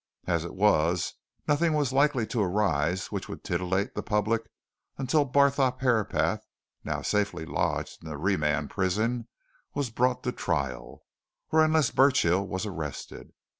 As it was, nothing was likely to arise which would titillate the public until Barthorpe Herapath, now safely lodged in the remand prison, was brought to trial, or unless Burchill was arrested.